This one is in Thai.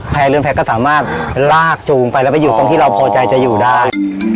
เรือนแพ้ก็สามารถลากจูงไปแล้วไปอยู่ตรงที่เราพอใจจะอยู่ได้